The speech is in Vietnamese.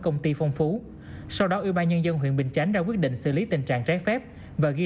công ty phong phú sau đó ubnd huyện bình chánh đã quyết định xử lý tình trạng trái phép và ghi